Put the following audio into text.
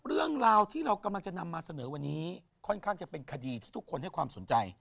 เรื่องราวที่เรากำลังจะนำมาเสนอวันนี้ค่อนข้างจะเป็นคดีที่ทุกคนให้ความสนใจ